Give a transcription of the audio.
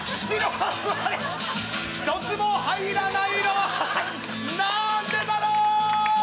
一つも入らないのはなんでだろう！